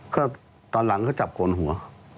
ก็ตอนหลังก็จับโกนหัว